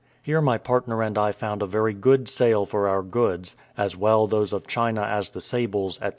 Here my partner and I found a very good sale for our goods, as well those of China as the sables, &c.